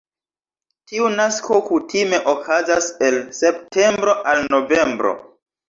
Tiu nasko kutime okazas el septembro al novembro.